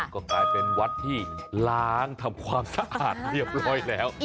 ก็กลายเป็นวัดที่ล้างทำความสะอาดเรียบร้อยแล้ว